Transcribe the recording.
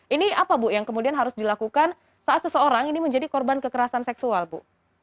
ini apa bu yang kemudian harus dilakukan saat seseorang ini menjadi korban kekerasan seksual bu